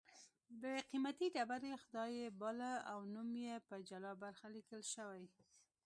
د قېمتي ډبرې خدای یې باله او نوم یې په جلا برخه لیکل شوی